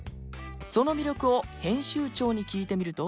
その魅力を編集長に聞いてみると